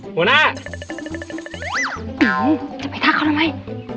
หมูนาจะไปทักเขาแล้วไหม